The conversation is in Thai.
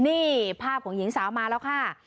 นี่ภาพของหญิงสาวมาแล้วค่ะ